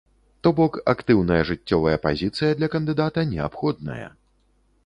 То бок, актыўная жыццёвая пазіцыя для кандыдата неабходная.